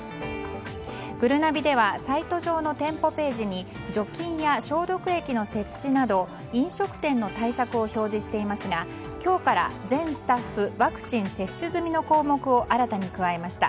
ぐるなびではサイト上の店舗ページに除菌や消毒液の設置など飲食店の対策を表示していますが今日から全スタッフワクチン接種済の項目を新たに加えました。